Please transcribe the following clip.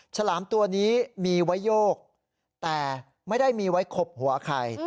ฉลามตัวนี้มีไว้โยกแต่ไม่ได้มีไว้ขบหัวใคร